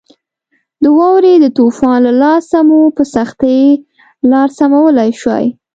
د واورې د طوفان له لاسه مو په سختۍ لار سمولای شوای.